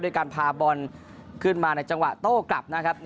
ด้วยการพาเบิร์นขึ้นมาในจังหวะโต้กลับนะครับ